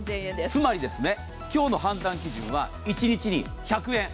つまり今日の判断基準は、一日に１００円。